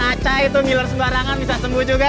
maca itu ngiler sembarangan bisa sembuh juga